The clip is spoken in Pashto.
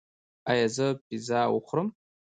ایا زه پیزا وخورم؟